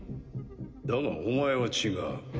だがお前は違う。